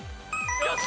よし！